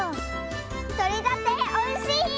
とれたておいしい！